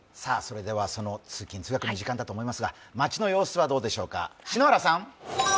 通勤・通学の時間だと思いますが、街の様子はどうでしょうか。